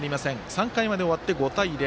３回まで終わって、５対０。